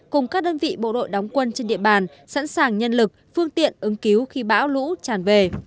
cùng các đơn vị bộ đội đóng quân trên địa bàn sẵn sàng nhân lực phương tiện ứng cứu khi bão lũ tràn về